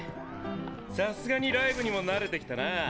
さすがにライブにも慣れてきたなぁ。